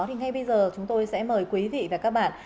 thì ngay bây giờ chúng tôi sẽ mời quý vị và các bạn